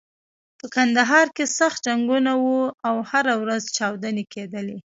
په کندهار کې سخت جنګونه و او هره ورځ چاودنې کېدلې.